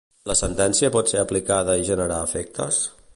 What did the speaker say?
La sentència pot ser aplicada i generar efectes.